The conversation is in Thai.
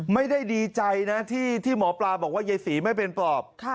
ไม่ได้ดีใจนะที่หมอปลาบอกว่ายายศรีไม่เป็นปอบ